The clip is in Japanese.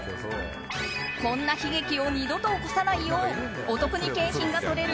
こんな悲劇を二度と起こさないようお得に景品が取れる